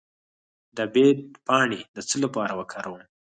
د بید پاڼې د څه لپاره وکاروم؟